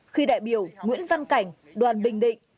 khi đại biểu nguyễn văn cảnh đoàn bình định